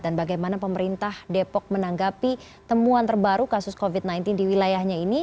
dan bagaimana pemerintah depok menanggapi temuan terbaru kasus covid sembilan belas di wilayahnya ini